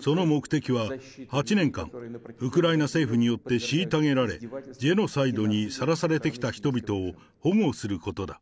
その目的は８年間、ウクライナ政府によって虐げられ、ジェノサイドにさらされてきた人々を保護することだ。